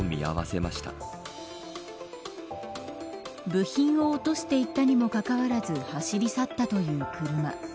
部品を落としていったにもかかわらず走り去ったという車。